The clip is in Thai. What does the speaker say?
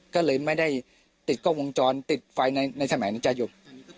ก็เลยไม่ได้ติดกล้องวงจรติดไฟล์ในสมัยในเจ้ายุ่ม